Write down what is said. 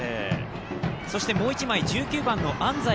そしてもう１枚１９番の安西愛